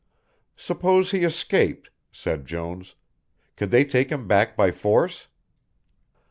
"Suppose he escaped," said Jones. "Could they take him back by force?"